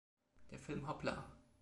Der Film Hoppla!